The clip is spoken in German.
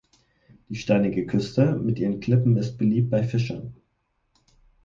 Die steinige Küste mit ihren Klippen ist beliebt bei Fischern.